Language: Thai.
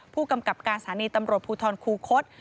ผู้กำกับการสถานีตำรวจภูทรคูคศ